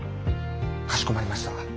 かしこまりました。